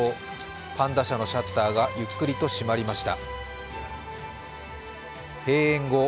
パンダ舎のシャッターがゆっくりと閉まりました。